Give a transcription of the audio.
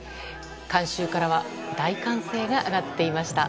観衆からは大歓声が上がっていました。